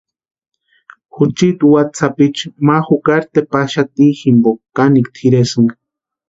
Juchiti watsï sapichu ma jukari tepaxati jimpo kanikwa tʼiresïnka.